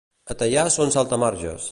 A Teià són saltamarges.